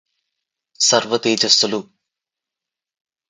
సర్వ తేజస్సులు